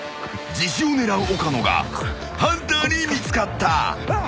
［自首を狙う岡野がハンターに見つかった］あっ！？